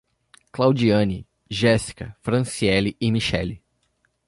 Claudiane, Géssica, Franciele e Michelle